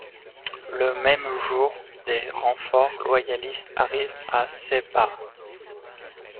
Le même jour des renforts loyalistes arrivent à Sebha.